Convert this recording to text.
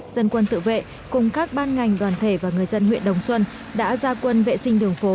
dân quân tự vệ cùng các ban ngành đoàn thể và người dân huyện đồng xuân đã ra quân vệ sinh đường phố